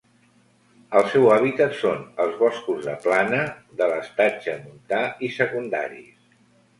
El seu hàbitat són els boscos de plana, de l'estatge montà i secundaris.